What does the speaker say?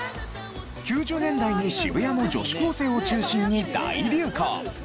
９０年代に渋谷の女子高生を中心に大流行。